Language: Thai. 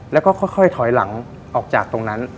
แล้วก็ค่อยถอยหลังออกจากตรงนั้น